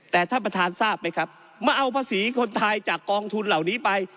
แต่ท่านประธานทราบไหมครับมาเอาภาษีคนไทยจากกองทุนเหล่านี้ไป